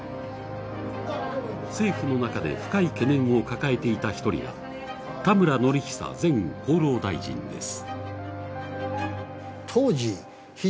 政府の中で深い懸念を抱えていた１人が、田村憲久前厚労大臣です。